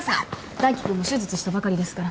大輝君も手術したばかりですから。